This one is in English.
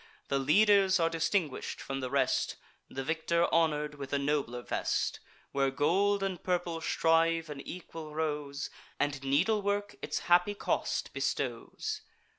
The leaders are distinguish'd from the rest; The victor honour'd with a nobler vest, Where gold and purple strive in equal rows, And needlework its happy cost bestows.